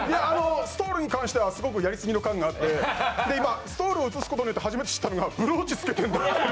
ストールに関してはすごくやりすぎの感があって、今、ストールを映すことで初めて知ったのがブローチつけてんだって。